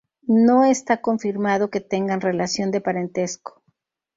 No está confirmado que tengan relación de parentesco.